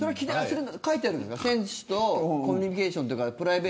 書いてあるんですか選手とコミュニケーション。